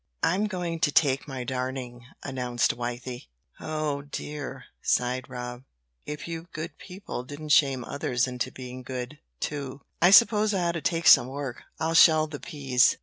"I'm going to take my darning," announced Wythie. "Oh, dear," sighed Rob. "If only you good people didn't shame others into being good, too! I suppose I ought to take some work I'll shell the peas!"